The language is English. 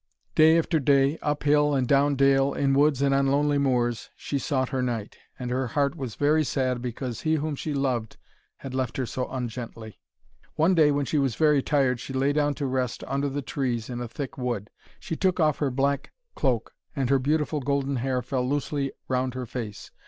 Day after day, up hill and down dale, in woods and on lonely moors, she sought her knight. And her heart was very sad, because he whom she loved had left her so ungently. One day when she was very tired she lay down to rest under the trees in a thick wood. She took off her black cloak, and her beautiful golden hair fell loosely round her face.